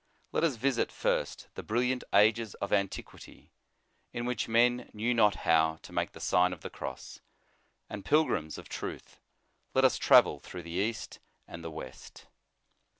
Let us visit first, the brilliant ages of antiquity, in which men knew not how to make the Sign of the Cross ; and, pilgrims of truth, let us travel through the East and the West.